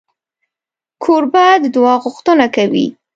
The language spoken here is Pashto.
کوربه د دعا غوښتنه کوي.